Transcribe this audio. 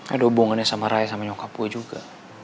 ada hubungannya sama raya sama nyokap gue juga